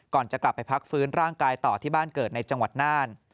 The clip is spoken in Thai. ก่อนจะกลับไปพักฟื้นร่างกายต่อที่บ้านเกิดในจังหวัดน่าน